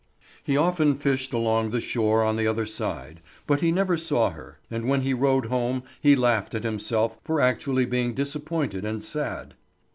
He often fished along the shore on the other side, but he never saw her; and when he rowed home he laughed at himself for actually being disappointed and sad.